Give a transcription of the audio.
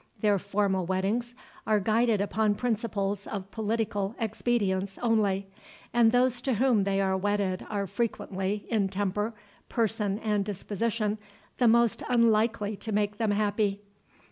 Their formal weddings are guided upon principles of political expedience only, and those to whom they are wedded are frequently, in temper, person, and disposition, the most unlikely to make them happy.